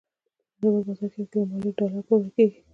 په نړیوال بازار کې یو کیلو مالوچ ډالر پلورل کېدل.